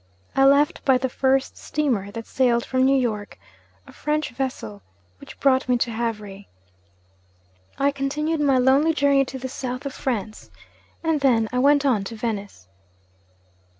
I left by the first steamer that sailed from New York a French vessel which brought me to Havre. I continued my lonely journey to the South of France. And then I went on to Venice.'